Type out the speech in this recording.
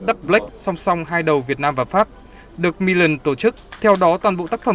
dub black song song hai đầu việt nam và pháp được milan tổ chức theo đó toàn bộ tác phẩm